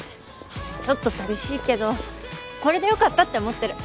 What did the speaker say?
ちょっと寂しいけどこれでよかったって思ってる。